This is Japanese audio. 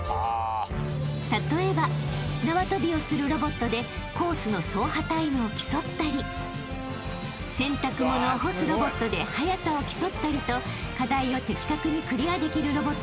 ［例えば縄跳びをするロボットでコースの走破タイムを競ったり洗濯物を干すロボットで速さを競ったりと課題を的確にクリアできるロボットを考案製作］